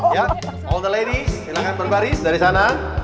ya all the ladies silahkan berbaris dari sana